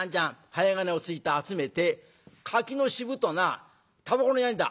早鐘をついて集めて「柿の渋となタバコのヤニだ。